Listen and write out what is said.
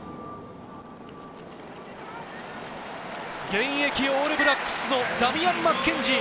現役オールブラックスのダミアン・マッケンジー。